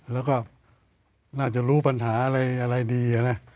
แล้วก็น่าจะรู้ปัญหาอะไรดีนะ